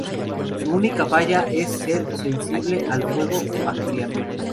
Su única falla es ser muy sensible al fuego bacteriano.